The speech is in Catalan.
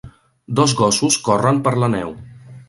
Dos gossos corren per la neu.